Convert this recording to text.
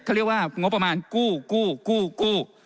เขาเรียกว่างบประมาณกู้กู้กู้กู้